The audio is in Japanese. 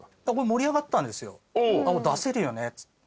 盛り上がったんですよ。出せるよねって。